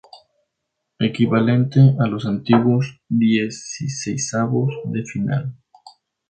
Equivalente a los antiguos dieciseisavos de final.